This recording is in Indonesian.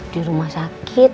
di rumah sakit